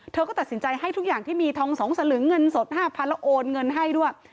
เธอก็ตัดสินใจให้ทุกอย่างที่มีทอง๒สลึงเงินสด๕๐๐๐แล้วโอนเงินให้ด้วย